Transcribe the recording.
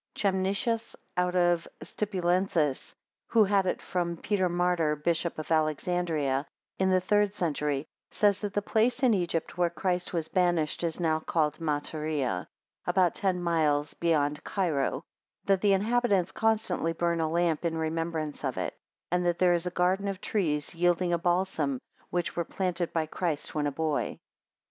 Chemnitius, out of Stipulensis, who had it from Peter Martyr, Bishop of Alexandria, in the third century, says, that the place in Egypt where Christ was banished is now called Matarea, about ten miles beyond Cairo; that the inhabitants constantly burn a lamp in remembrance of it; and that there is a garden of trees yielding a balsam, which were planted by Christ when a boy.